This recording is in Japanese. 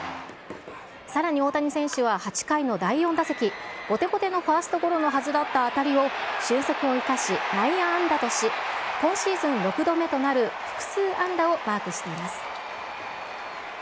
さらに大谷選手は８回の第４打席、ぼてぼてのファーストゴロのはずだった当たりを、俊足を生かし内野安打とし、今シーズン６度目となる複数安打をマークしています。